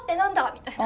みたいな。